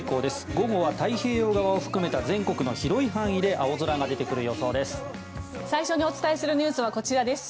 午後は太平洋側を含めた全国の広い範囲で青空が出てくる予想です。